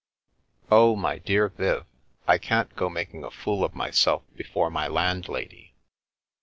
" Oh, my dear Viv, I can't go making a fool of myself before my landlady."